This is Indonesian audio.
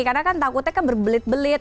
karena kan takutnya kan berbelit belit